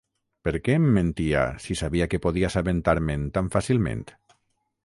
Per què em mentia si sabia que podia assabentar-me'n tan fàcilment?